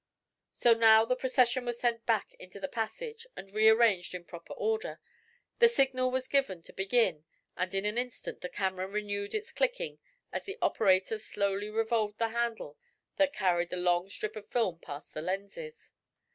So now the procession was sent back into the passage and rearranged in proper order; the signal was given to begin and in an instant the camera renewed its clicking as the operator slowly revolved the handle that carried the long strip of film past the lenses.